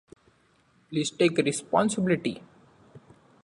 Please take responsibility.